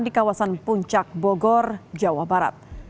di kawasan puncak bogor jawa barat